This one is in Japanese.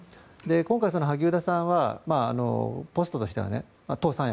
今回、萩生田さんはポストとしては党三役